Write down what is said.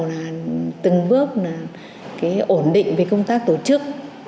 là từng bước là cái ổn định về công tác tổ chức